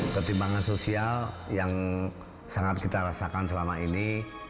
ketimbangan sosial yang sangat kita rasakan selama ini